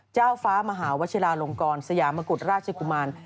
เจ้าฟ้ามหาวชิลาลงกรสยามกุฎราชกุมาร